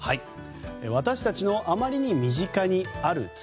私たちのあまりに身近にある土。